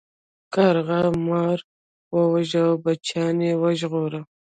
کارغه مار وواژه او بچیان یې وژغورل.